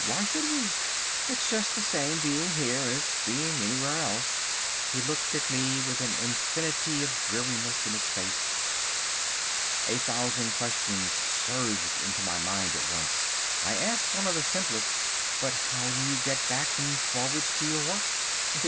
"Why should we? It's just the same being here as being anywhere else." He looked at me with an infinity of dreariness in his face. A thousand questions surged into my mind at once. I asked one of the simplest. "But how do you get back and forwards to your work?"